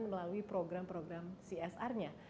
melalui program program csr nya